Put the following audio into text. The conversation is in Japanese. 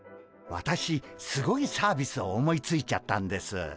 私すごいサービスを思いついちゃったんです。